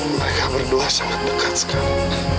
mereka berdua sangat dekat sekali